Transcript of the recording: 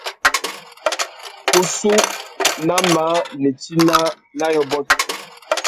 Kussú nà măh nitina nà yôbôt.